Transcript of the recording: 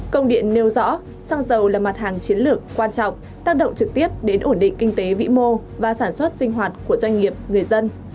công điện nêu rõ xăng dầu là mặt hàng chiến lược quan trọng tác động trực tiếp đến ổn định kinh tế vĩ mô và sản xuất sinh hoạt của doanh nghiệp người dân